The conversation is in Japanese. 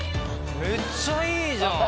めっちゃいいじゃん！